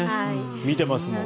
見てますもん。